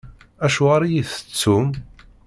Acuɣeṛ i iyi-tettum?